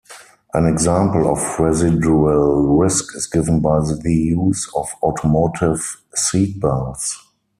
An example of residual risk is given by the use of automotive seat-belts.